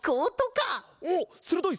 おっするどい！